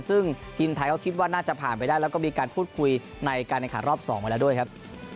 ซึ่งทีมไทยก็คิดว่าน่าจะผ่านไปได้แล้วก็มีการพูดคุยในการแข่งขันรอบ๒ไว้แล้วด้วยครับ